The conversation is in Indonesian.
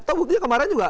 tuh buktinya kemarin juga